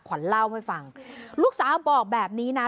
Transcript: ขวัญเล่าให้ฟังลูกสาวบอกแบบนี้นะ